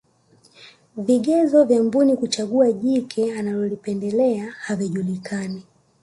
vigezo vya mbuni kuchagua jike analolipendelea havijulikani